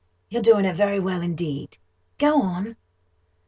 You're doing it very well, indeed—go on."